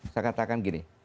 saya katakan begini